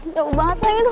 jauh banget lagi lu